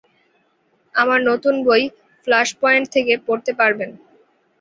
আমার নতুন বই ফ্লাশপয়েন্ট থেকে পড়তে পারবেন।